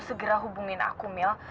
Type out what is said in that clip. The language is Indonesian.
segera hubungin aku mil